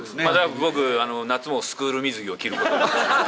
僕、夏もスクール水着を着ることに。